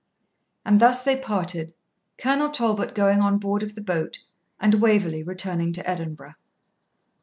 And thus they parted, Colonel Talbot going on board of the boat and Waverley returning to Edinburgh.